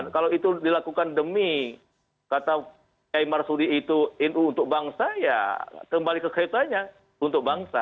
kalau itu dilakukan demi kata aymar sudi itu untuk bangsa ya kembali ke kaitannya untuk bangsa